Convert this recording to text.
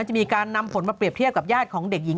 จะมีการนำผลมาเปรียบเทียบกับญาติของเด็กหญิง